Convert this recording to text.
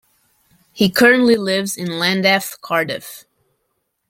He currently lives in Llandaff Cardiff.